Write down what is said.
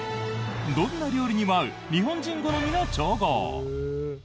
どんな料理にも合う日本人好みの調合。